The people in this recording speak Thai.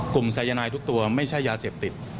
สายนายทุกตัวไม่ใช่ยาเสพติด